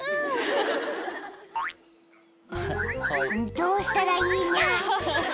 ［どうしたらいいにゃ？